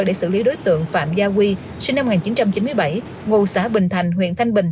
để xử lý đối tượng phạm gia quy sinh năm một nghìn chín trăm chín mươi bảy ngụ xã bình thành huyện thanh bình